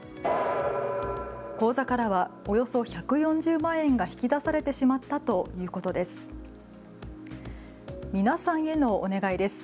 口座からはおよそ１４０万円が引き出されてしまったということです。